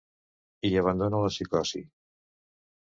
I abandona la psicosi.